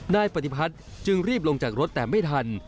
นายปฏิพัฒน์จึงรีบลงจากรถแต่ไม่ทัน